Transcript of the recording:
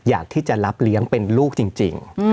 อยากที่จะรับเลี้ยงเป็นลูกจริง